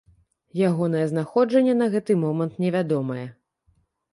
Ягонае знаходжанне на гэты момант невядомае.